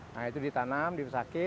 nah itu ditanam di pesake